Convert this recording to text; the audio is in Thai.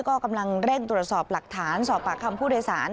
ก็กำลังเร่งตรวจสอบหลักฐานสอบปากคำผู้โดยสาร